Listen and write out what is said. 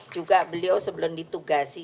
juga beliau sebelum ditugasi